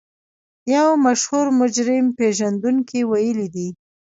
يو مشهور مجرم پېژندونکي ويلي دي.